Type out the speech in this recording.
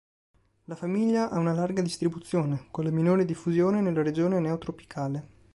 La famiglia ha una larga distribuzione, con la minore diffusione nella Regione neotropicale.